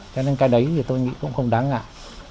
cho nên cái đấy thì tôi nghĩ cũng không đáng ngại